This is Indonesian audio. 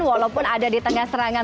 walaupun ada di tengah serangan